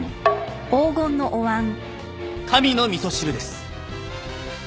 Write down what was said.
神の味噌汁です。